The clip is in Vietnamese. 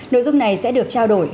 nội dung này sẽ được trao đổi